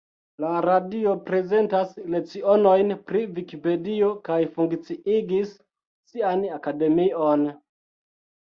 La radio prezentas lecionojn pri Vikipedio kaj funkciigis sian Akademion.